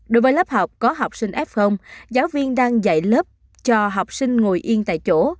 đối với lớp học có học sinh f giáo viên đang dạy lớp cho học sinh ngồi yên tại chỗ